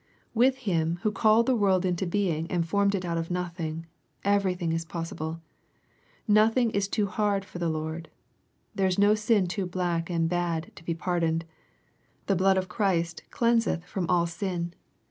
With Him who called the world into being and formed it out of nothing, everything is possible. Nothing is too hard for the Lord There is no sin too black and bad to be pardoned. The blood of Christ cleanseth from all sin.